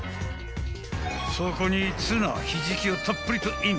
［そこにツナひじきをたっぷりとイン］